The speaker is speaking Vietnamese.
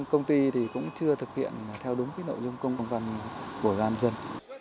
công ty thì cũng chưa thực hiện theo đúng nội dung công văn của đoàn dân